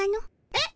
えっ？